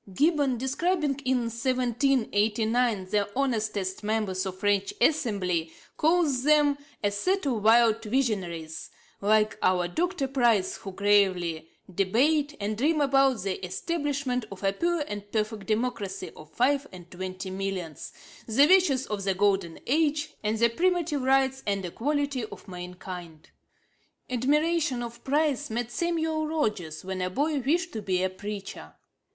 Gibbon (Misc. Works, i. 304), describing in 1789 the honestest members of the French Assembly, calls them 'a set of wild visionaries, like our Dr. Price, who gravely debate, and dream about the establishment of a pure and perfect democracy of five and twenty millions, the virtues of the golden age, and the primitive rights and equality of mankind.' Admiration of Price made Samuel Rogers, when a boy, wish to be a preacher.